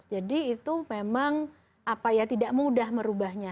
jadi itu memang apa ya tidak mudah merubahnya